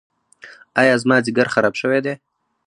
ایا زما ځیګر خراب شوی دی؟